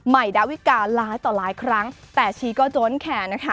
ดาวิการ้ายต่อหลายครั้งแต่ชีก็โจ้นแขนนะคะ